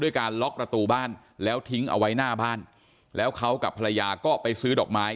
การล็อกประตูบ้านแล้วทิ้งเอาไว้หน้าบ้านแล้วเขากับภรรยาก็ไปซื้อดอกไม้